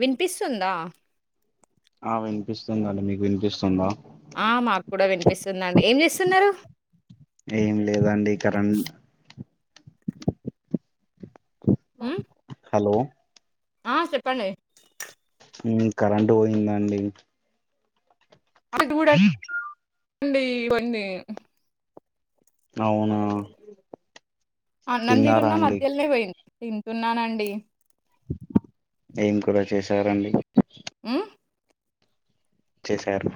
వినిపిస్తుందా ఆ వినిపిస్తుందండి మీకు వినిపిస్తుందా చిన్నారు ఏమి లేదండి కరెంట్ బ ఉమ్ హలో ఆ చెప్పండి కరెంట్ పోయిందండి [unintelligible] వండికొన్ని అవునా అన్నం తిన్నారా తింటున్న అండి మధ్యలోనే పోయింది తింటున్నానండి ఏం కూరా చేసారండి ఆ చేసారు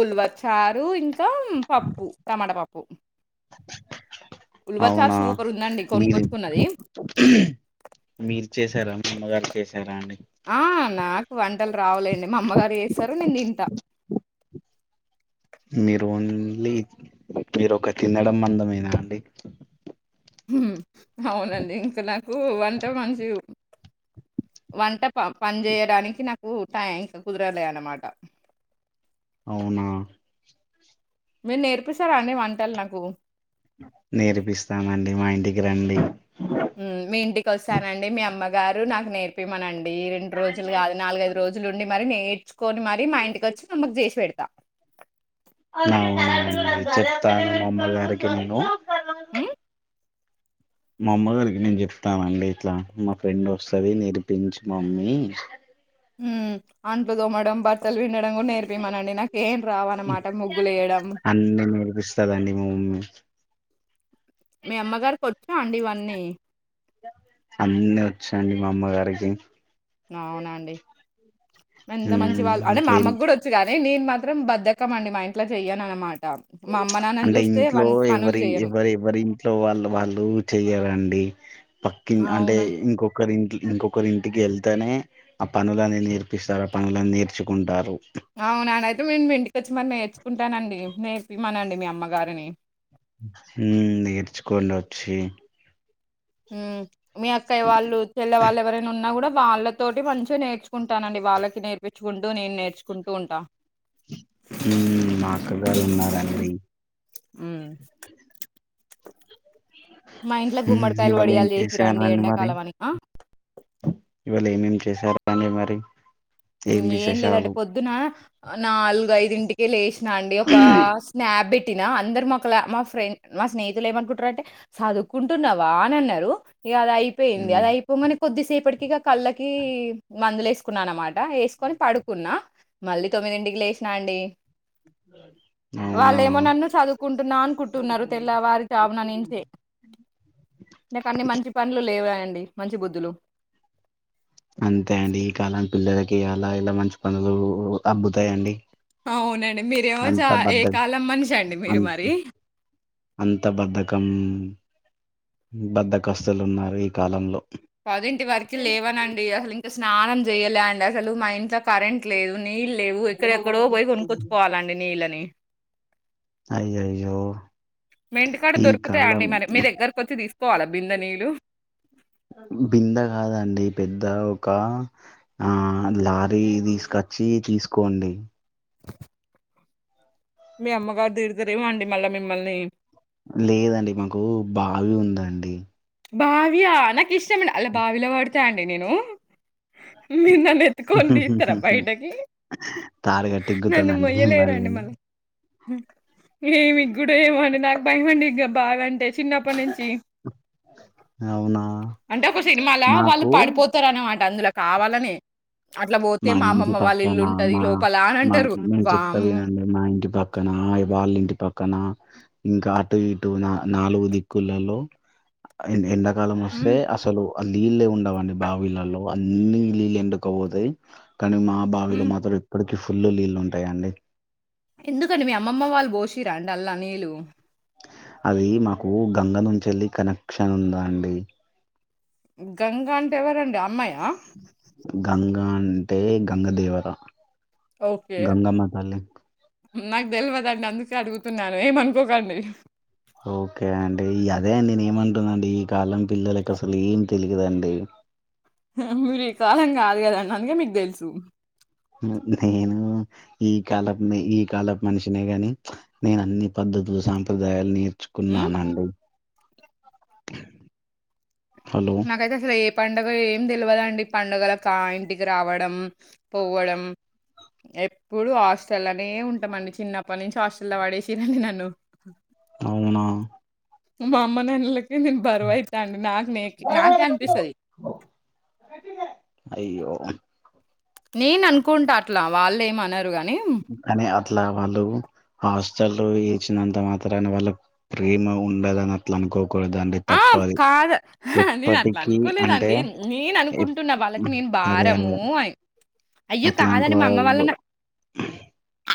ఉల్వ చారు ఇంకా పప్పు టమాట పప్పు ఉల్వచారు అవునా సూపర్ ఉందండి మీరు కొనుక్కొచ్చుకున్నది మీరు చేశారా మా అమ్మగారు చేసారా అండి ఆ నాకు వంటలు రావాలండి మా అమ్మగారు చేస్తారు నేను తింటా మీరు ఓన్లీ మీరు ఒక తినడం అందమేనా అండి హుమ్ అవునండి ఇంకా నా వంట మనిషి కు వంట ప పని చేయడానికి నాకు టైం కుదరలే అన్నమాట అవునా మీరు నేర్పిస్తార అండి వంటల్ నాకు నేర్పిస్తామండి మా ఇంటికి రండి హుమ్ మీ ఇంటికి వస్తానండి మీ అమ్మ గారు నాకు నేర్పియ్ మనండి రెండు రోజులుగాదు నాలుగైదు రోజులుండి మరి నే నేర్చుకొని మరి మా ఇంటికి వచ్చి మా అమ్మకు చేసి పెడతా అవునా అండి చెప్తాను మా అమ్మగారికి నేను హుమ్ మా అమ్మ గారికి నేను చెప్తానండి ఇట్లా మా ఫ్రెండ్ వస్తది నేర్పించు మమ్మీ హుమ్ అంపదో మేడం బ బట్టలు పిండడం కూడా నేర్పిమనండి నాకేం రావనమాట ముగ్గులు వేయడం అన్ని నేర్పిస్తదండి మా మమ్మీ మీ అమ్మగారికొచ్చా అండి ఇవన్నీ అన్నీ వచ్చండి మా అమ్మగారికి అవునండి ఎంత మంచి వాళ్ళు అంటే ఉమ్ మా ఏం అమ్మకు గుడా వచ్చు గ నేను మాత్రం బద్దకంమండి మా ఇంట్లో చెయ్యను అనమాట అంటే ఇంట్లో పనులు ఎవరి జెయ్యను. ఎవరు ఎవరి ఇంట్లో వాళ్ళు వాళ్ళు చెయ్యరు అండి పక్కిన్ అంటే అవునా? ఇంకొకరి ఇంట్లో ఇంకొకరి ఇంటికి ఎళ్తేనే ఆ పనులని నేర్పిస్తారు ఆ పనులని నేర్చుకుంటారు అవునా అండి అయితే నేన్ ఇంటకచ్చి మరి నేర్చుకుంటానండి నేర్పిమనండి మీ అమ్మగారిని హుమ్ నేర్చుకోండి వచ్చి హుమ్ మీ అక్కయ వాళ్ళు చెల్లె వాళ్ళు ఎవరైనా ఉన్నా గుడా వాళ్ళ తోటి మంచిగా నేర్చుకుంటానండి వాళ్ళకి నేర్పించుకుంటూ నేను నేర్చుకుంటూ ఉంటా హుమ్ మా అక్కగారు ఉన్నారండి హుమ్ ఉ గుమ్మడికాయలు ఇవాళ ఏం వడియాలు చేస చేసిరండి రండి మరి ఎండాకాలం అని ఆ ఇవాళ ఏమేమి చేసారు అండి మరి ఏం ఇంకేం లేదండి విశేషాలు పొద్దున నాలుగైదు ఇంటికి లేసి అండి ఒక స్నాప్బిట్ పట్టినా అందరు మాలా మా ఫ్రెండ్ మా స్నేహితులు ఏమనుకుంటారంటే చదువుకుంటున్నావా అని అన్నారు ఇక అది అయిపోయింది ఉమ్ అది అయిపోగానే కొద్దిసేపటికి కిగా కళ్ళకి మందులే వేసుకున్నా అన్నమాట వేసుకొని పడుకున్నా మళ్ళీ తొమ్మిది ఇంటికిలు వేసినా అండి అవునా వాళ్ళేమో నన్ను చదువుకుంటున్నా అనుకుంటున్నారు తెల్ల వారి చాబన నుంచే నక అన్ని మంచి పనులు లేవు అండి మంచి బుద్ధులు అంతే అండి ఈ కాలం పిల్లలకి అలా ఇలా మంచి పనులు అబ్బతాయిండి అవును అంత బధ మీరు అంత మరి అంత బద్ధకం బద్ద కస్తులు ఉన్నారు ఈ కాలంలో పది ఇంటి వరకు లేవనండి అసలు ఇంకా స్నానం చెయలేండ్ అసలు మా ఇంట్లో కరెంట్ లేదు నీళ్ళు లేవు ఎక్కడెక్కడో పోయి కొనుక్కొచ్చుకోవాలండి నీళ్ళని అయ్యయ్యో మెంటికాడ ఈ కాలం దొరుకుతాయండి మన మీ దగ్గరకు వచ్చి తీసుకోవాలా బింద నీళ్లు బింద కాదండి పెద్ద ఒక ఆ లారీ తీసుకొచ్చి తీసుకోండి మీ అమ్మగారు తీరుతరేవండి మళ్ళా మిమ్మల్ని లేదండి మాకు బావి ఉందండి బావి య నాకు ఇష్టమండి అల్లా బావిల పడతా అండి నేను మీరు నన్ను ఎత్తుకొని తీస్తారా బయటకి తాడుగట్టి నన్ను ఎక్కుతానండి మొయ్యలేరుండి మిమ్మల్ని మల్ల ఏమి కూడా ఏమండి నాకు భయం అండి గా బావి అంటే చిన్నప్పటి నుంచి అవునా అంటే ఒక సినిమాల వాళ్లు నాకు పడిపోతారు అనమాట అందుల కావాలనే మా ఇంటి పక్కన మా లోపల అని మా అంటారు నేను చెప్తా వామ్మో వినండి మా ఇంటి పక్కన వాళ్ల ఇం టి పక్కన ఇంకా అటు ఇటు నాలుగు దిక్కులలో ఎండ కాలం వస్తే హ్మ్ అసలు ఆ నీళ్లే ఉండవు అండి బావిలలో అన్ని నీళ్ళు ఎండుకవో తాయి కానీ మా బావిలో హ్మ్ మాత్రం ఇప్పటికి ఫుల్లు నీళ్ళు ఉంటాయండి ఎందుకండి మీ అమ్మమ్మ వాళ్లు బోషీర అండి అల్లా నీళ్లు అది మాకు గంగ నుంచి ఎళ్ళి కనెక్షన్ ఉందాండి గంగ అంటే ఎవరండి అమ్మాయ గంగ అం టే గంగ దేవత ఓకే గంగమ్మ తల్లి నాకు తెలువదండి అందుకే అడుగుతున్నాను ఏమనుకోకండి ఓకే అండి ఈ అదే అండి నేను ఏమంటున అండి ఈ కాలం పిల్లలకి అసలు ఏం తెలియదండి మీరు ఈ కాలం కాదు కదండి అందుకే మీకు తెలుసు నేను ఈ కాలపు ఈ కాలపు మనిషినే గాని నేను అన్ని పద్ధతులు సాంప్రదాయాల్ని హ్మ్ నేర్చుకున్నానండి హలో నాకైతే అసలు ఏ పం డగ ఏం తెలువదండి పండుగల కా ఇంటికి రావడం పోవడం ఎప్పుడు హాస్టల్ నే ఉంటామండి చిన్నప్పటి నుంచి హాస్టల్ల్లో పడేసిరు అండి నన్ను అవునా మా అమ్మ నాన్న ల కు నేను బరువైతా అండి నాకు నే నాకే అనిపిస్తది అయ్యో నేను అనుకుంటా అట్లా వాళ్లు ఏం అనరు గా కానీ అట్లా వాళ్లు హాస్టల్లో ఏచినంత మాత్రాన వాళ్ల ప్రేమ ఉండదు అని అట్లా అనుకో అ కాదు నేను అట్లా ఎప్పటికీ అంటే అనుకోలేదండి నేను ఎప్- అనుకుంటున్నా వాళ్ళకి నేను అదే భారము అదే అని అయ్యో అట్లా కాదండి మా అమ్మ వాళ్లు అనుకోవద్దు నా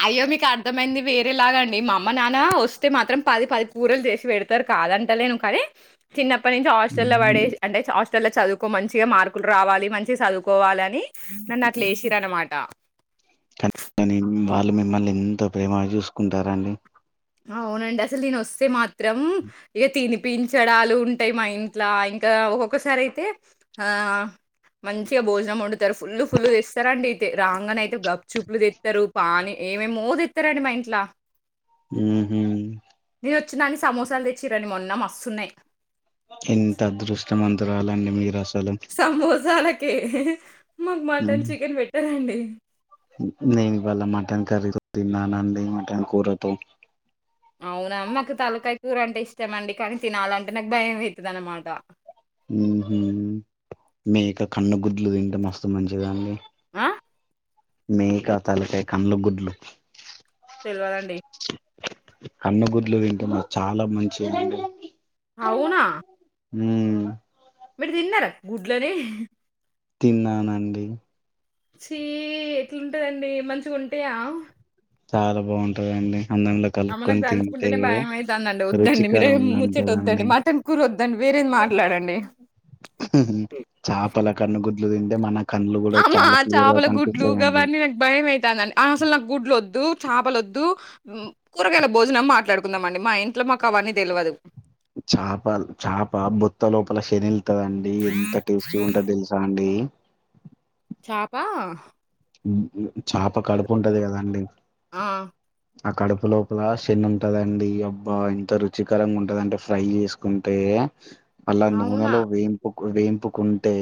అయ్యో మీకర్థమైంది వేరే లాగా అండి మా అమ్మ నాన్న వస్తే మాత్రం పది పది కూరలు చేసి పెడతరు కాదంటలేను కానీ చిన్న ప్పటి నుంచి హాస్టల్లో పడే ఉమ్, అంటే హాస్టల్లో చదువుకో మంచిగా మార్కులు రావాలి మంచిగా చదువుకోవాలని నన్నట్లేశీర్ అన్నమాట కానీ వాళ్ళు మిమ్మల్ని ఎంత ప్రేమగ చూసుకుంటారండి ఆ అవునండి అసలు నేన్ వస్తే మాత్రం ఇక తినిపించడాలు ఉంటాయి మా ఇంట్లా ఇంకా ఒక్కొక్కసారి అయితే ఆ మంచిగా భోజనం ఒండుతారు ఫుల్లు ఫుల్ తెస్తారండి అయితే రాంగనే అయితే గప్చూపులు తెత్తరు పానీ ఏమేమో తెత్తరండి మా ఇంట్లా ఊహూ ఇగ వచ్చినాని సమోసాలు తెచ్చిరండి మొన్న మస్తున్నాయి పిలవరండి మీరస సమోసాలె కే మాక్ మటన్ చికెన్ పెట్టరండి నేన్ ఇవాల మటన్ కర్రీతో తిన్నానండి మటన్ కూరతో అవునా మాకు తలకాయ కూర అంటే ఇష్టం అండి కానీ తినాలంటే నాక్ భయం అయితది అనమాట ఉహు మేక కన్ను గుడ్లు తింటే మస్తు మంచిదండి ఆ మేక తలకాయ కన్లు గుడ్లు తెలవదండి. కన్ను గుడ్లు తింటే మ చాలా మంచిదండి. అవునా మ్మ్ మీరు తిన్నారా గుడ్లనీ? తిన్నానండి. ఛీ ఎట్లుంటదండి మంచిగుంటయా? చాలా బావుంటదండి. అమ్మ నాకు దలుచుకుంటేనే భయమైతాందండి వద్దండి మీరే ముచ్చటొద్దండి మటన్ కూర వద్ ఊ హ్మ్ చాపల కన్ను గుడ్లు తింటే మన కళ్ళు కూడా అమ్మా చాలా క్లియర్ గా చేపల గుడ్లు కనిపిస్తాయండి గవన్నీ నాకు భయం అయితాందండి. అహ అసలు నాకు గుడ్లు ఒద్దు చాపలొద్దు. మ్మ్ కూరగాయల భోజనం మాట్లాడుకుందాంమండి మా ఇంట్లో మాకవన్నీ తెలవదు. చాపల్ చాపా బొత్త లోపల శనెల్ ట్టదండి ఎంత టేస్టీ గుంటదో తెలుసా అండి? చాపా మ్మ్ [unintelligible] చాప కడుపు ఉంటది గదండి. ఆ! ఆ కడుపు లోపల శన ఉంటదండి, అబ్బా! ఎంత రుచికరంగా ఉంటదంటే ఫ్రై చేసుకుంటే అలా అవునా! నూనెలో వేంపు కు వేంపుకుంటే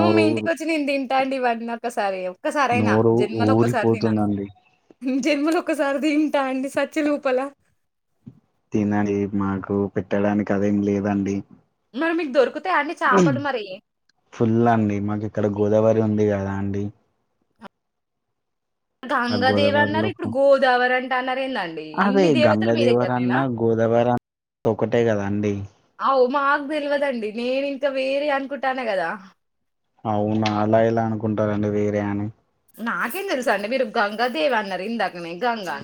ఔ మీ ఇంటికి వచ్చి నేను తింటా అండి ఇవన్నీ ఒకసారి. ఒకసారయినా నోరు జన్మలో ఒకసారి తినా ఊరిపోతుందండి జన్మలో ఒకసారిది. తింటా అండి సచ్చేలోపల తినండి మాకు పెట్టడానికి అదేం లేదండి. మరి మీకు దొరుకు హ్మ్ ఫుల్ అండి మాకు ఇక్కడ గోదావరి ఉంది గదా అండి ఆ గంగాదేవి అన్నారు గోదావరిలో ఇప్పుడు ఫు- గోదావరి అంట్ దాన్న అదే గంగా దేవర అన్నా గోదావరి అన్నా ఒకటే గద అండి. అవు మాకు తెలవదండి నేను ఇంకా వేరే అనుకుటాన్నా కదా అవునా అలా ఎలా అనుకుంటారండి వేరే అని నాకేం తెలుసండి మీరు గంగా దేవి అన్నారు ఇందాకనే గంగా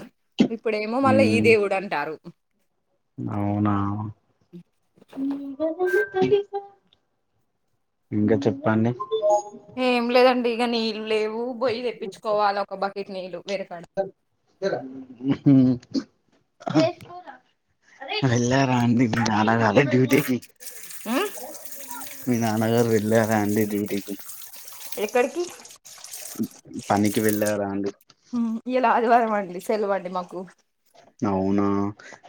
ఇప్పుడేమో మళ్ళా ఈ ఉమ్, దేవుడు అంటారు. అవునా ఇంకా చెప్పండి ఏం లేదండి ఇక నీళ్ళు లేవు బొయ్య తెప్పించుకోవాలి ఒక బక్కెట్ మేలు [unintelligible] వెళ్లారా అంటే మీ నాన్నగారు డ్యూటీకి ఉమ్ మీ నాన్న గారు వెళ్ళరా రండి డ్యూటీ కి ఎక్కడికి పనికి వెళ్ళారా అండి ఉమ్ ఇయలా ఆదివారం అండి సెలవండి మాకు అవునా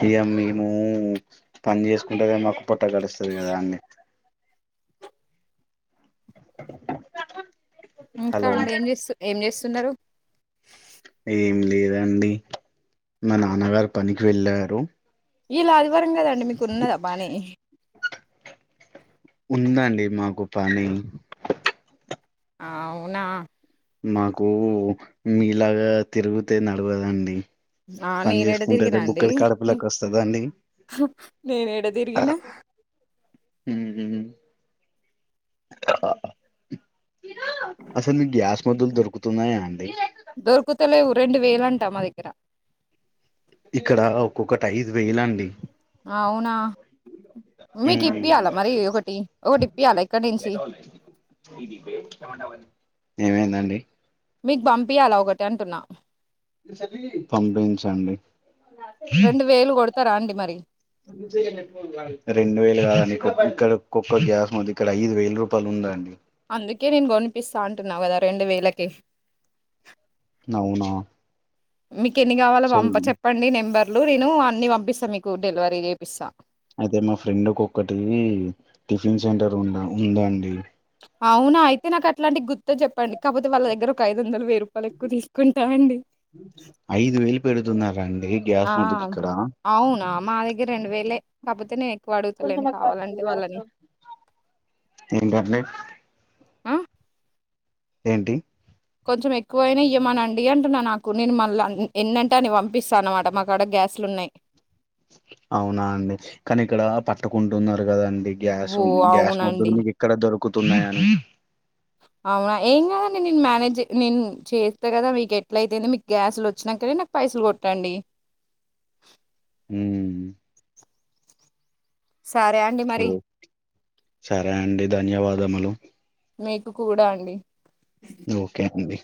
ఇక మేము పని చేసుకుంటే మాకు పొట్ట గడుస్తుంది కదా అండి ఇంకా హలో అండి ఏం చేస్త ఏం చేస్త సున్నారు ఏం లేదండి మా నాన్నగారు పనికి వెళ్ళారు ఇలా అది వారం కదండి మీకు ఉన్నదా పని ఉందండి మాకు పని అవునా మాకు మీలాగా తిరుగితే నడవదండి ఆ పని నేను ఏడా చేసుకుంటేనే తిరిగినా అండి బుక్కడి కడుపులోకి వస్తదండి హా నేను ఏడా తిరిగినా అసలు మీ గ మందులు దొరుకుతున్నాయా అండి దొరుకుతలేవు రెండు వేలు అంటా మా దగ్గర ఇక్కడ ఒక్కొక్కటి ఐదు వేల అండి అవునా మీకు ఇప్పియాలా మరి ఒకటి ఒకటి ఇప్పియాలా ఇక్కడ నుంచి ఏమైందండి మీకు పంపి అలా ఒకటి అంటున్నా పంపించండి అ ఇస్తా రండి మరి రెండు వేలు కాదండి ఇక్కడ కుక్క గ్యాస్ మీద ఇక్కడ ఐదు వేల రూపాయలు ఉందాండి అందుకే నేను కోనిపిస్తా అంటున్నావు కదా రెండు వేలకి అవునా మీ కి ఎన్ని కావాలా అసలు పంప చెప్పండి నెంబర్ లు నేను అన్ని పంపిస్తాను మీకు డెలివరీ చేపిస్తా అయితే మా ఫ్రెండ్ ఒకక్కటి టిఫిన్ సెంటర్ ఉంద ఉందాండి అవునా అయితే నాకు అట్లాంటి గుర్తు చెప్పండి కాకపోతే వాళ్ళ దగ్గర ఒక ఐ ఐదు వందలు వెయ్యి రూపాయలు ఎక్కువ తీసుకుంటా అండి ఐదు వేలు పెడుతున్నారండి ఆ గ్యాస్ ముద్దుకి ఇక్కడ అవునా మా దగ్గర రెండు వేలే [unintelligible] కొంతమంది కావాలంటే వాళ్ళని ఎటాండి ఆ ఏంటి కొంచెం ఎక్కువైనా ఇవ్వమనండి అంటున్నా నా నాకు నేను మళ్ళీ ఎన్నంటే అని పంపిస్తాను అన్నమాట మాకడా గ్యాస్లు ఉన్నాయి అవునా అండి కానీ ఇక్కడ పట్టుకుంటున్నారు కదాండి గ్యాస్ ఓ గ్యాస్ మొదు అవునండి మీకు ఎక్కడ దొరుకుంది తక్కుతున్నాయని అవునా ఏం కదండి నేను మేనేజ్ నేను చేస్తా కదా మీకు ఎట్ల అయితే మీకు గ్యాసులు వచ్చినాకే నాకు పైసలు కొట్టండి హ్మ్ సరే అండి ఓ మరి సరే అండి ధన్యవాదములు మీకు కూడా అండి ఓకే అండీ